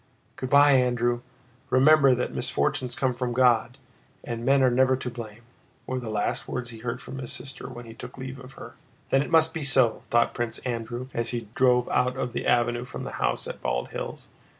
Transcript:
"Good by, Andrew! Remember that misfortunes come from God, and men are never to blame," were the last words he heard from his sister when he took leave of her. "Then it must be so!" thought Prince Andrew as he drove out of the avenue from the house at Bald Hills.